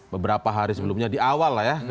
beberapa hari sebelumnya di awal lah ya